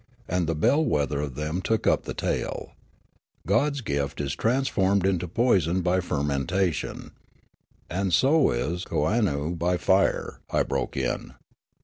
And the bell wether of them took up the tale. '' God's gift is transformed into poison by fermentation —" "And so is kooannoo by fire," I broke in.